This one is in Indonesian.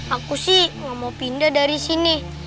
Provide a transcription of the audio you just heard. aku sih gak mau pindah dari sini